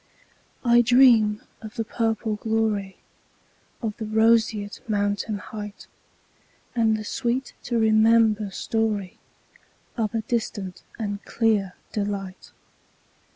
I dream of the purple gloryOf the roseate mountain heightAnd the sweet to remember storyOf a distant and clear delight.